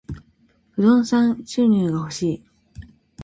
不動産収入が欲しい。